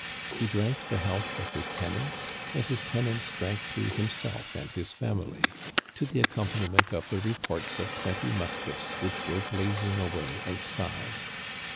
He drank the health of his tenants, and his tenants drank to himself and his family, to the accompaniment of the reports of twenty muskets, which were blazing away outside.